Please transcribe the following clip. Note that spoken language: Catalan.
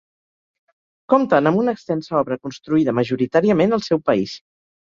Compten amb una extensa obra construïda, majoritàriament al seu país.